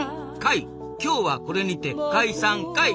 今日はこれにて「解」散かい！